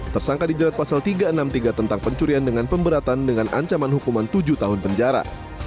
tersangka dijerat pasal tiga ratus enam puluh tiga tentang pencurian dengan pemberatan dengan ancaman hukuman tujuh tahun penjara